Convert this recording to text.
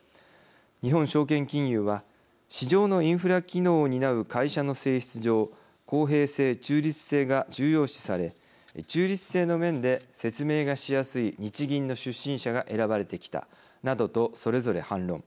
日本証券金融は市場のインフラ機能を担う会社の性質上公平性・中立性が重要視され中立性の面で説明がしやすい日銀の出身者が選ばれてきたなどとそれぞれ反論。